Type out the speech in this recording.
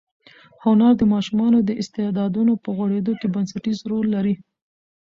هنر د ماشومانو د استعدادونو په غوړېدو کې بنسټیز رول لري.